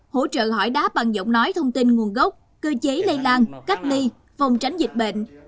hỗ trợ hỏi đáp bằng giọng nói thông tin nguồn gốc cơ chế lây lan cách ly phòng tránh dịch bệnh